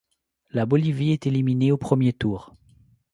La Bolivie est éliminée au premier tour.